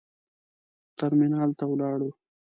ترمینال ته ولاړو.